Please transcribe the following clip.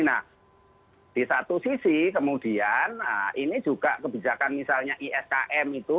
nah di satu sisi kemudian ini juga kebijakan misalnya iskm itu